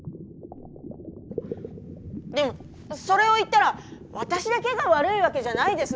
でもそれを言ったら私だけが悪いわけじゃないです。